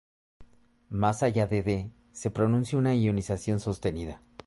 Más allá de D, se produce una ionización sostenida.